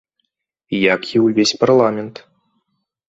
Як і ўвесь парламент.